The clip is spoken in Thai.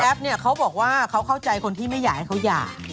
เขาบอกว่าเขาเข้าใจคนที่ไม่อยากให้เขาหย่า